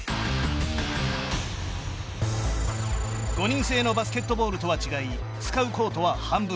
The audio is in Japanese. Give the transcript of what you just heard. ５人制のバスケットボールとは違い使うコートは半分。